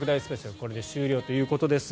これで終了ということですが